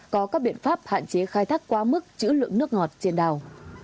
có các biện pháp hạn chế khai thác quá mức chữ lượng nước ngọt trên đảo